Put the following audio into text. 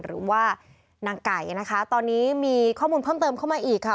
หรือว่านางไก่นะคะตอนนี้มีข้อมูลเพิ่มเติมเข้ามาอีกค่ะ